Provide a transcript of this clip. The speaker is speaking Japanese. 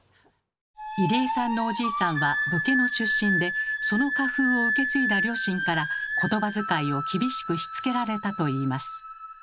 入江さんのおじいさんは武家の出身でその家風を受け継いだ両親から言葉遣いを厳しくしつけられたといいます。